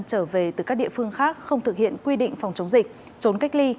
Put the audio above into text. trở về từ các địa phương khác không thực hiện quy định phòng chống dịch trốn cách ly